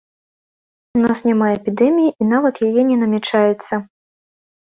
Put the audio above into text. У нас няма эпідэміі і нават яе не намячаецца.